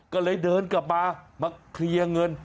ก็เลยเดินกลับมามาเคลียร์เงิน